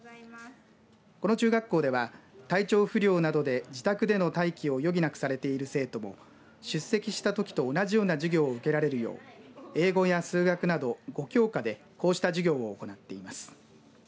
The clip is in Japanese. この中学校では体調不良などで自宅での待機を余儀なくされている生徒も出席したときと同じような授業を受けられるよう英語や数学など５教科でこうした授業を行っています。